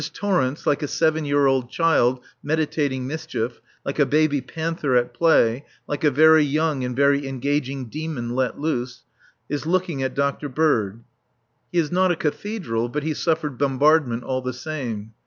Torrence, like a seven year old child meditating mischief, like a baby panther at play, like a very young and very engaging demon let loose, is looking at Dr. Bird. He is not a Cathedral, but he suffered bombardment all the same.